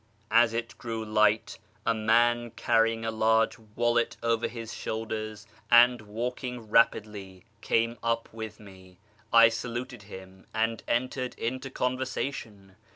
As it grew light, a man carrying a large wallet over his shoulders, and walking rapidly, came up with me. I saluted him, and entered into conversation.